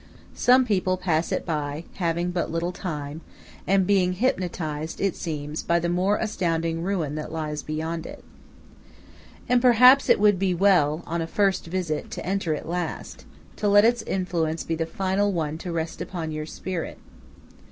Some people pass it by, having but little time, and being hypnotized, it seems, by the more astounding ruin that lies beyond it. And perhaps it would be well, on a first visit, to enter it last; to let its influence be the final one to rest upon your spirit.